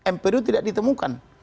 mpdu tidak ditemukan